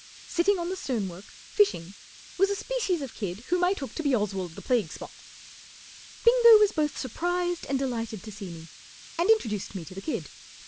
Sitting on the stonework, fishing, was a species of kid whom I took to be Oswald the Plague Spot; Bingo was both surprised and delighted to see me, and introduced me to the kid.